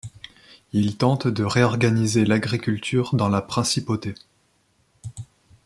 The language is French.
Il tente de réorganiser l’agriculture dans la principauté.